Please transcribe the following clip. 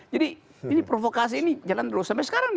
jadi provokasi ini jalan terus sampai sekarang